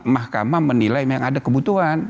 mahkamah menilai memang ada kebutuhan